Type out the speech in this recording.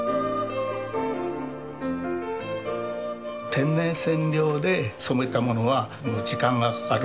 天然染料で染めたものは時間がかかる。